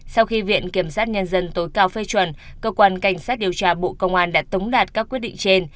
sau khi viện kiểm sát nhân dân tối cao phê chuẩn cơ quan cảnh sát điều tra bộ công an đã tống đạt các quyết định trên